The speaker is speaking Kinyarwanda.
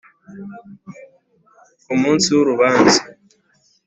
ku munsi w’urubanza